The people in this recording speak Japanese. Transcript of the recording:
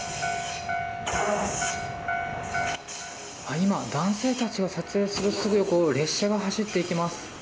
今、男性が撮影する横を列車が走っていきます。